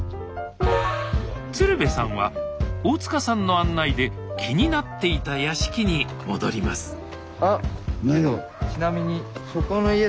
鶴瓶さんは大さんの案内で気になっていた屋敷に戻りますなんや？